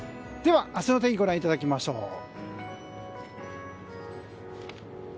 では、明日の天気ご覧いただきましょう。